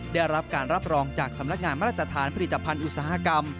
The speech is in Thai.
ได้รับการรับรองจากสำนักงานมาตรฐานผลิตภัณฑ์อุตสาหกรรม